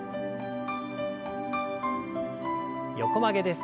横曲げです。